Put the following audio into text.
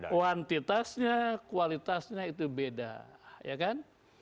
kuantitasnya kualitasnya itu beda ya kan